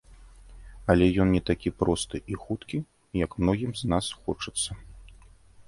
Але ён не такі просты і хуткі, як многім з нас хочацца.